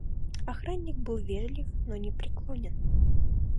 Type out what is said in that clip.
Охранник был вежлив, но непреклонен.